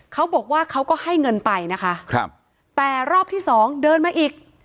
เขาบอกว่าเขาก็ให้เงินไปนะคะครับแต่รอบที่สองเดินมาอีก